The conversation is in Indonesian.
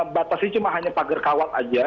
batasnya cuma hanya pagar kawat aja